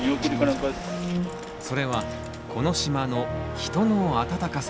それはこの島の「人のあたたかさ」。